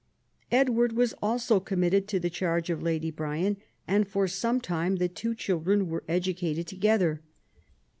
Edward was also committed to the charge of Lady Bryan, and for some time the two children were educated together.